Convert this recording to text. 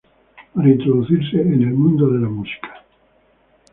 Para introducirse en el mundo de la música.